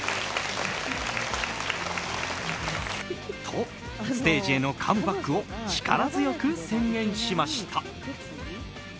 と、ステージへのカムバックを力強く宣言しました。